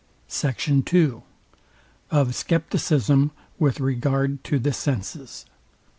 SECT. II. OF SCEPTICISM WITH REGARD TO THE SENSES.